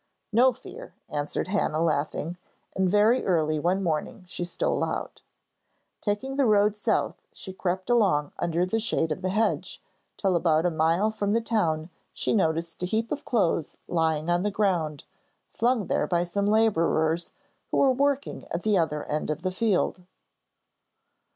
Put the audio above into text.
'No fear,' answered Hannah laughing, and very early one morning she stole out. Taking the road south she crept along under the shade of the hedge, till about a mile from the town she noticed a heap of clothes lying on the ground, flung there by some labourers who were working at the other end of the field.